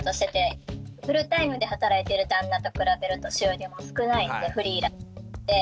フルタイムで働いてる旦那と比べると収入も少ないんでフリーランスで。